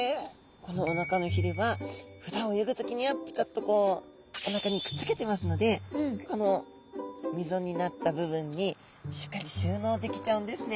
このおなかのひれはふだん泳ぐ時にはピタッとこうおなかにくっつけてますのでこの溝になった部分にしっかり収納できちゃうんですね。